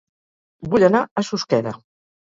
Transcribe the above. Vull anar a Susqueda